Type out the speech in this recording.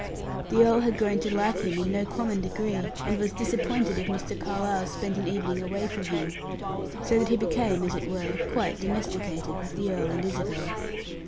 The earl had grown to like him in no common degree, and was disappointed if Mr. Carlyle spent an evening away from him, so that he became, as it were, quite domesticated with the earl and Isabel.